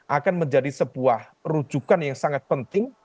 akan menjadi sebuah rujukan yang sangat penting